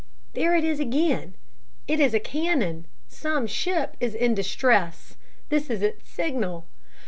There it is again; it is a cannon! Some ship is in distress! This is its signal!